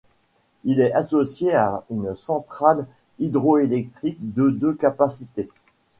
Il est associé à une centrale hydroélectrique de de capacité.